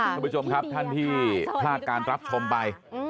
คุณผู้ชมครับท่านที่พลาดการรับชมไป